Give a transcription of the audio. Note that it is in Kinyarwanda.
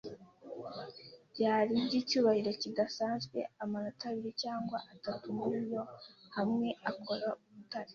byari, by'icyubahiro kidasanzwe - amanota abiri cyangwa atatu muri yo hamwe, akora urutare